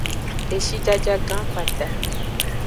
Eshijajagan kpata.